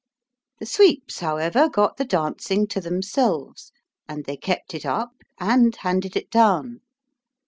The sweeps, however, got the dancing to themselves, and they kept it up, and handed it down.